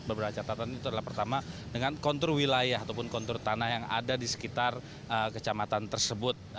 beberapa catatan itu adalah pertama dengan kontur wilayah ataupun kontur tanah yang ada di sekitar kecamatan tersebut